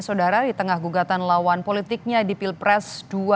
saudara di tengah gugatan lawan politiknya di pilpres dua ribu sembilan belas